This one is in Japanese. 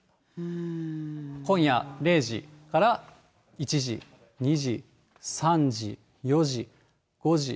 今夜０時から１時、２時、３時、４時、５時、６時、７時、８時。